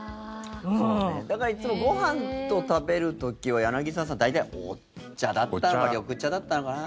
だから、いつもご飯と食べる時は柳澤さん、大体お茶だったのかな緑茶だったのかな？